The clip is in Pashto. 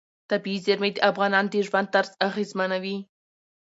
طبیعي زیرمې د افغانانو د ژوند طرز اغېزمنوي.